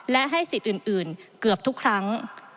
และให้สิทธิ์อื่นเกือบทุกครั้ง